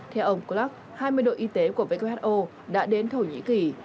theo ông cluk hai mươi đội y tế của who đã đến thổ nhĩ kỳ